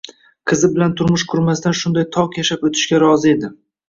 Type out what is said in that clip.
Qizi bilan turmush qurmasdan shunday toq yashab o`tishga rozi edi